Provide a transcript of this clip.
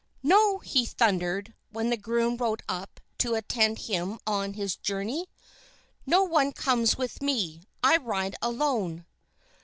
"No!" he thundered, when the groom rode up to attend him on his journey. "No one comes with me! I ride alone!"